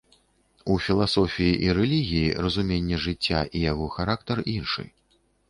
У філасофіі і рэлігіі, разуменне жыцця і яго характар іншы.